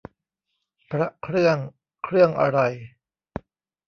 พระเครื่อง เครื่องอะไร